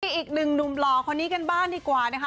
อีกหนึ่งหนุ่มหล่อคนนี้กันบ้างดีกว่านะคะ